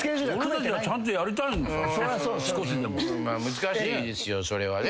難しいですよそれはね。